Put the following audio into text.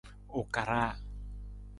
U karaa.